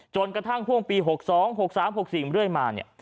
กระทั่งพ่วงปี๖๒๖๓๖๔เรื่อยมาเนี่ย